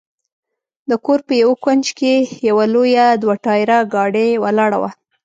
د کور په یوه کونج کې یوه لویه دوه ټایره ګاډۍ ولاړه وه.